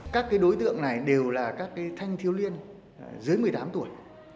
các đối tượng này đều là các thanh thiêu liên dưới một mươi tám tuổi